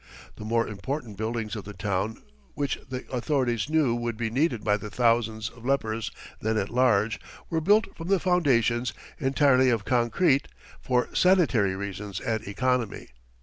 The more important buildings of the town which the authorities knew would be needed by the thousands of lepers then at large, were built from the foundations entirely of concrete, for sanitary reasons and economy.